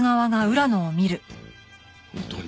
本当に？